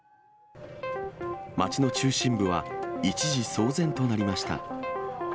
街の中心部は、一時騒然となりました。